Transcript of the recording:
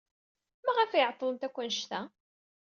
Maɣef ay ɛeḍḍlent akk anect-a?